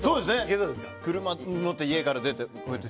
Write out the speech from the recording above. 車乗って、家から出て。